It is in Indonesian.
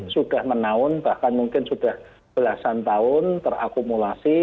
sudah menaun bahkan mungkin sudah belasan tahun terakumulasi